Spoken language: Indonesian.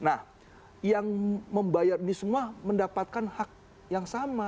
nah yang membayar ini semua mendapatkan hak yang sama